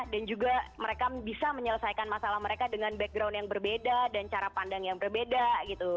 dan juga mereka bisa menyelesaikan masalah mereka dengan background yang berbeda dan cara pandang yang berbeda gitu